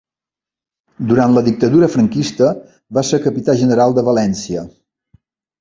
Durant la Dictadura franquista va ser capità general de València.